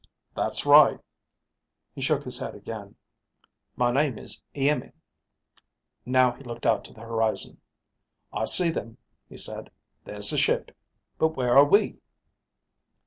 "That's right." He shook his head again. "My name is Iimmi." Now he looked out to the horizon. "I see them," he said. "There's the ship. But where are we?"